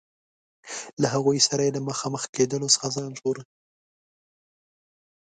له هغوی سره یې له مخامخ کېدلو څخه ځان ژغوره.